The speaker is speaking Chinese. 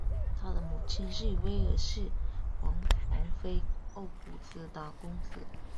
他的母亲是威尔士王妃奥古斯塔公主。